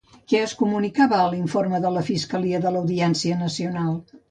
Què es comunicava a l'informe de la Fiscalia de l'Audiència Nacional?